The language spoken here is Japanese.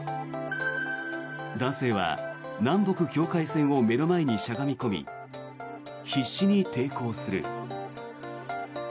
男性は南北境界線を目の前にしゃがみ込み必死に抵抗する。